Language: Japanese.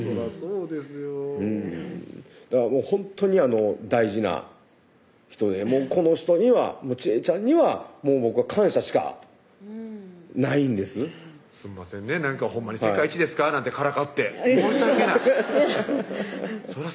うんだからほんとに大事な人でこの人にはちえちゃんには僕は感謝しかないんですすんませんねなんかほんまに「世界一ですか？」なんてからかって申し訳ないそら